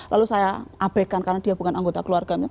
lalu saya abekan karena dia bukan anggota keluarga